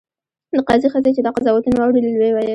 د قاضي ښځې چې دا قضاوتونه واورېدل ویې ویل.